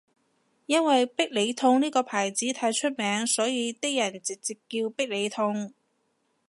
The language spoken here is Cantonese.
因為必理痛呢個牌子太出名所以啲人都直接叫必理痛